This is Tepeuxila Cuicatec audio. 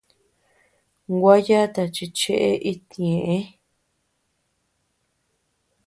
Gua yata chi chee itñeʼë.